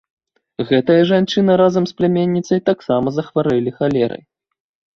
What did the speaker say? Гэтая жанчына разам з пляменніцай таксама захварэлі халерай.